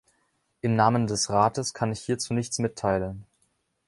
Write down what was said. Im Namen des Rates kann ich hierzu nichts mitteilen.